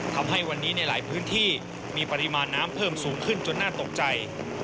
ทำให้วันนี้ในหลายพื้นที่มีปริมาณน้ำเพิ่มสูงขึ้นจนน่าตกใจ